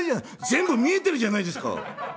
「全部見えてるじゃないですか！